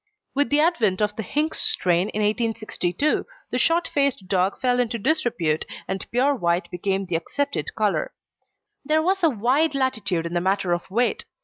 With the advent of the Hinks strain in 1862 the short faced dog fell into disrepute, and pure white became the accepted colour. There was a wide latitude in the matter of weight.